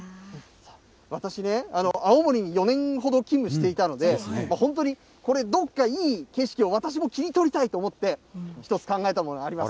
私ね、青森に４年ほど勤務していたので、本当にこれ、どっかいい景色を私も切り取りたいと思って、一つ考えたものがあります。